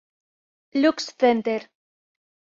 Lux Center.